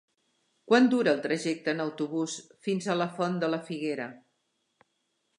Quant dura el trajecte en autobús fins a la Font de la Figuera?